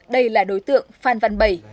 đây là đối tượng phan văn bảy